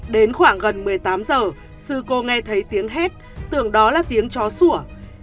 đến khoảng gần một mươi tám h sư cô nghe thấy tiếng hét tưởng đó là tiếng chó sủa